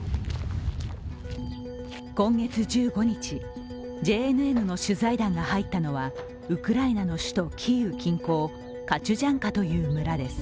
今月１５日、ＪＮＮの取材団が入ったのはウクライナの首都キーウ近郊カチュジャンカという村です。